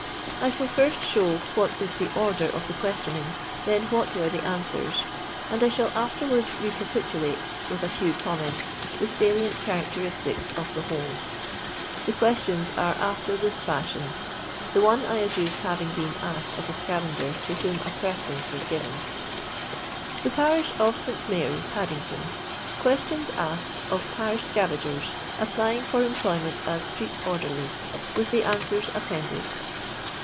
I shall first show what is the order of the questioning, then what were the answers, and I shall afterwards recapitulate, with a few comments, the salient characteristics of the whole. The questions are after this fiuhion ; the one I adduce having been asked of a scavager to whom a preference was given :— The Parish of SL Mary, Paddington. — Ques tions asked of Parish Scavagers, applying for employment as Street Orderlies, with the an steers appended.